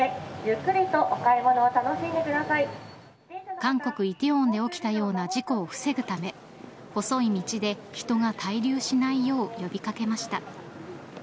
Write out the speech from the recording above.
韓国・梨泰院で起きたような事故を防ぐため細い道で人が滞留しないよう呼び掛けました。